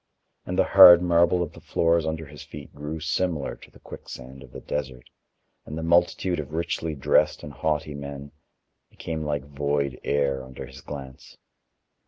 And the hard marble of the floors under his feet grew similar to the quicksand of the desert, and the multitude of richly dressed and haughty men became like void air under his glance.